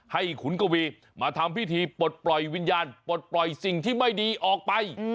ขุนกวีมาทำพิธีปลดปล่อยวิญญาณปลดปล่อยสิ่งที่ไม่ดีออกไป